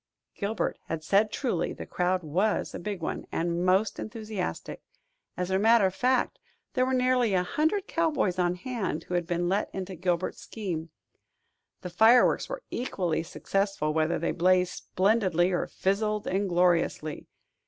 Gilbert had said truly: the crowd was a big one, and most enthusiastic. As a matter of fact, there were nearly a hundred cowboys on hand who had been let into Gilbert's scheme. The fireworks were equally successful whether they blazed splendidly or fizzled ingloriously.